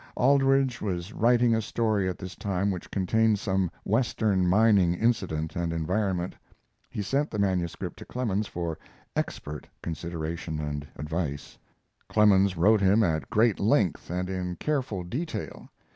Aldrich was writing a story at this time which contained some Western mining incident and environment. He sent the manuscript to Clemens for "expert" consideration and advice. Clemens wrote him at great length and in careful detail.